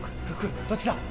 どっちだ？